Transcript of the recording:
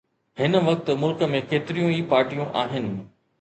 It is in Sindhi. هن وقت ملڪ ۾ ڪيتريون ئي پارٽيون آهن